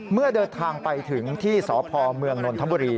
เมื่อเดินทางไปถึงที่สพเมืองนนทบุรี